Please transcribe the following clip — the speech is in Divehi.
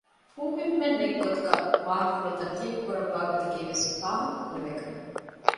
ފޫހިވުމެއް ނެތް ގޮތަކަށް ވާހަކަފުޅު ތަރުތީބު ކުރައްވާ ގޮތަކީ ވެސް ފާހަގަކުރެވޭ ކަމެއް